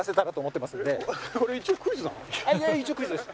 一応クイズです。